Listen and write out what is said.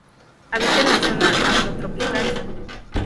Habita en la Ecozona afrotropical.